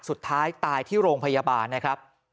สุดท้ายตายที่โรงพยาบาลนะครับ